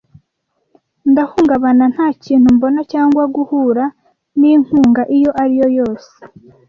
ndahungabana nta kintu mbona cyangwa guhura n'inkunga iyo ari yo yose